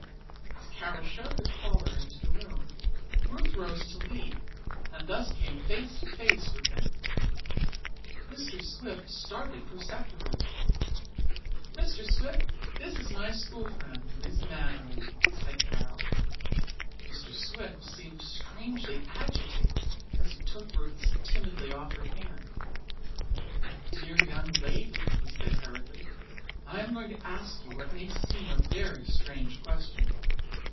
As Carol showed the caller into the room, Ruth rose to leave and thus came face to face with him. Mr. Swift started perceptibly. "Mr. Swift, this is my school friend, Miss Mannering," said Carol. Mr. Swift seemed strangely agitated as he took Ruth's timidly offered hand. "My dear young lady," he said hurriedly, "I am going to ask you what may seem a very strange question.